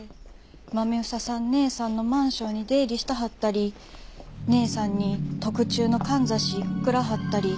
まめ房さん姉さんのマンションに出入りしてはったり姉さんに特注のかんざし贈らはったり。